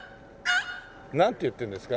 なんて言ってんですか？